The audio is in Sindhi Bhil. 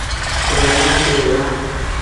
تا هيرآݩ ٿئي وهُڙآ۔